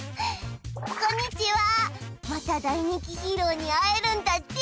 こんにちはまた大人気ヒーローに会えるんだって？